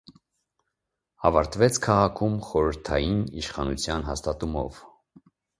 Ավարտվեց քաղաքում խորհրդային իշխանության հաստատումով։